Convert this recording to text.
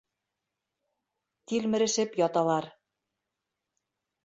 Тилмерешеп яталар, —